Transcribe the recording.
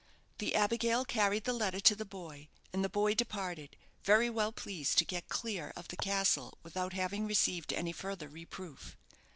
The abigail carried the letter to the boy, and the boy departed, very well pleased to get clear of the castle without having received any further reproof.